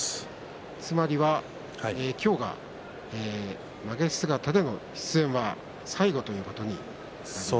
つまりは今日がまげ姿での出演は最後ということになります。